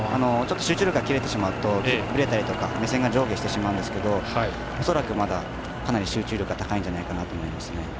ちょっと集中力が切れてしまうとぶれたりとか目線が上下してしまうんですけど恐らく、かなりまだ集中力は高いんじゃないかなと思いますね。